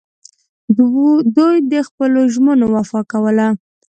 دوی د خپلو ژمنو وفا کوله